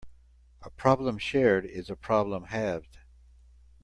A problem shared is a problem halved.